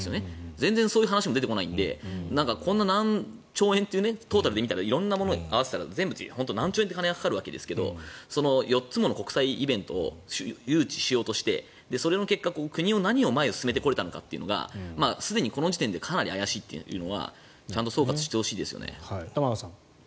全然そういう話も出てこないのでこんな何兆円というトータルで見たら色々なものを合わせたら何兆円というお金がかかるわけですがその４つもの国際イベントを誘致しようとしてその結果、国の何を前に進めてこれたのかというのはすでにこの時点でかなり怪しいというのは総括してほしいですよね。